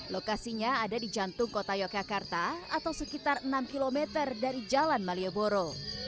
lokasinya ada di jantung kota yogyakarta atau sekitar enam km dari jalan malioboro